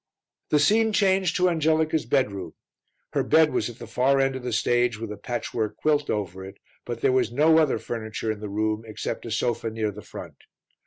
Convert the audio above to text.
The scene changed to Angelica's bedroom; her bed was at the far end of the stage with a patchwork quilt over it, but there was no other furniture in the room except a sofa near the front.